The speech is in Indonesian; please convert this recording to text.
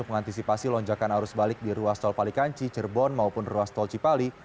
mengantisipasi lonjakan arus balik di ruas tol palikanci cirebon maupun ruas tol cipali